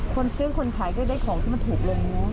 คนซื้อคนขายก็ได้ของที่มันถูกลงเนอะ